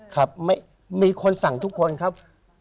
ยังไม่ขัดมีคนสั่งทุกคนครับ